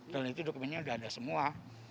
dan itu dokumennya udah ada semua